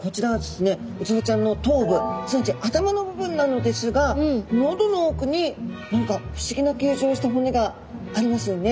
ウツボちゃんの頭部すなわち頭の部分なのですが喉の奥に何か不思議な形状をした骨がありますよね。